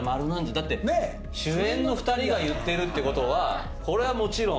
だって主演の２人が言ってるってことはこれはもちろん。